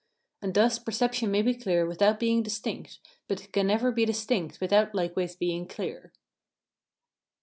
And thus perception may be clear without being distinct, but it can never be distinct without likewise being clear.